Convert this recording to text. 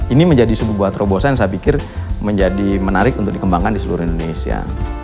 ini menjadi sebuah terobosan yang saya pikir menjadi menarik untuk dikembangkan di seluruh indonesia